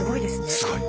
すごい！